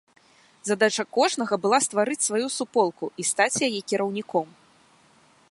Задача кожнага была стварыць сваю суполку, і стаць яе кіраўніком.